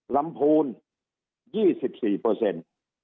ลำพูน๒๔